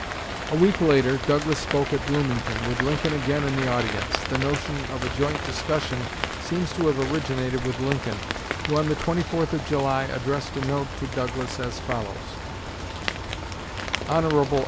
A week later Douglas spoke at Bloomington, with Lincoln again in the audience. The notion of a joint discussion seems to have originated with Lincoln, who on the 24th of July addressed a note to Douglas as follows: HON.